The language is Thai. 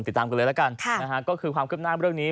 ติดตามกันเลยความคึบหน้าในเรื่องนี้